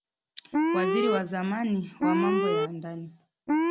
waziri wa zamani wa mambo ya ndani